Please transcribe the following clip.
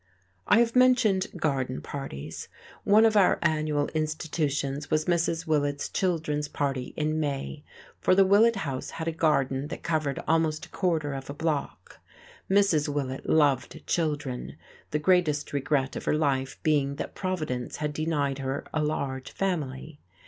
I have mentioned garden parties. One of our annual institutions was Mrs. Willett's children's party in May; for the Willett house had a garden that covered almost a quarter of a block. Mrs. Willett loved children, the greatest regret of her life being that providence had denied her a large family.